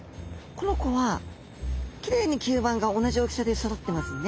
この子はきれいに吸盤が同じ大きさでそろってますね。